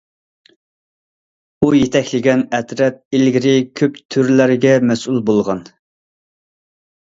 ئۇ يېتەكلىگەن ئەترەت ئىلگىرى كۆپ تۈرلەرگە مەسئۇل بولغان.